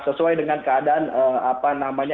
sesuai dengan keadaan